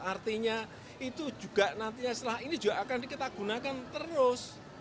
artinya itu juga nantinya setelah ini juga akan kita gunakan terus